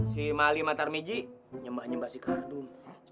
si malia matarmidji nyembah nyembah si kardun